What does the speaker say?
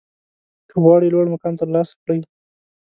که غواړئ لوړ مقام ترلاسه کړئ